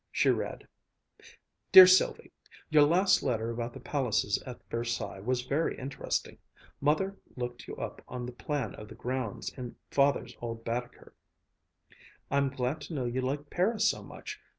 She read: "'DEAR SYLVIE: Your last letter about the palaces at Versailles was very interesting. Mother looked you up on the plan of the grounds in Father's old Baedeker. I'm glad to know you like Paris so much.